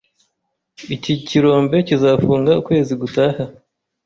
Iki kirombe kizafunga ukwezi gutaha.